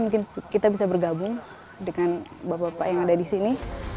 mungkin kita bisa bergabung dengan bapak bapak yang ada di sini